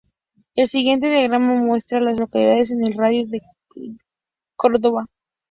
El siguiente diagrama muestra a las localidades en un radio de de Cordova.